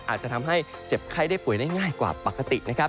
อาจจะทำให้เจ็บไข้ได้ป่วยได้ง่ายกว่าปกตินะครับ